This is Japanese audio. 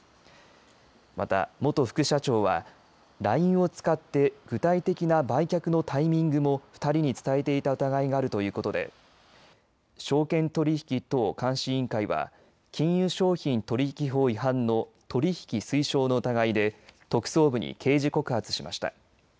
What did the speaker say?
また元副社長はＬＩＮＥを使って具体的な売却のタイミングも２人に伝えていた疑いがあるということで証券取引等監視委員会は金融商品取引法違反の取引推奨の疑いで特捜部に刑事告発しました。